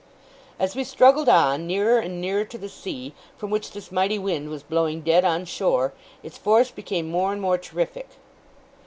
As we struggled on, nearer and nearer to the sea, from which this mighty wind was blowing dead on shore, its force became more and more terrific.